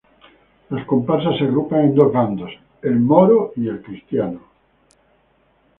Las comparsas se agrupan en dos bandos, el moro y el cristiano.